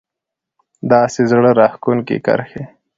داسې زړه راښکونکې کرښې